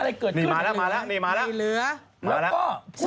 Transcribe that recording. แล้วก็